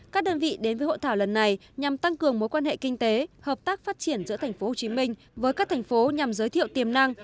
các đơn vị đến với hội thảo lần này nhằm tăng cường mối quan hệ kinh tế hợp tác phát triển giữa thành phố hồ chí minh với các thành phố nhằm giới thiệu tiềm năng